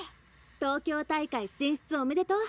「東京大会進出おめでとう！」。